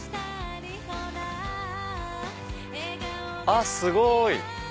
あっすごい！